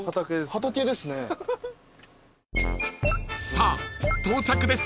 ［さあ到着です］